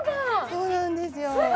そうなんですよ！